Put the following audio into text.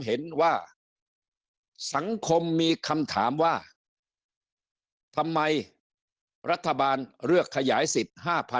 เห็นว่าสังคมมีคำถามว่าทำไมรัฐบาลเลือกขยายสิทธิ์๕๐๐๐